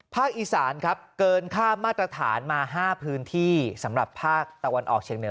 อีสานครับเกินค่ามาตรฐานมา๕พื้นที่สำหรับภาคตะวันออกเชียงเหนือ